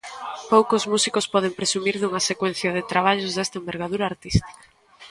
Poucos músicos poden presumir dunha secuencia de traballos desta envergadura artística.